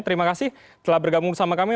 terima kasih telah bergabung bersama kami